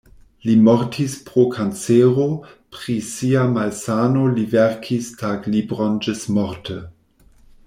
Li mortis pro kancero, pri sia malsano li verkis taglibron ĝismorte.